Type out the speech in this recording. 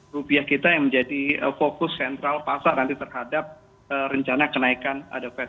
rupiah kita yang menjadi fokus sentral pasar nanti terhadap rencana kenaikan the fed